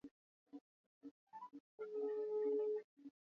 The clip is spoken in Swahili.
Ofisi ya Waziri Mkuu katika mikoa ya Musoma Mara